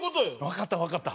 分かった分かった。